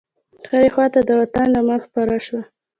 هرې خواته د وطن لمن خپره شوه.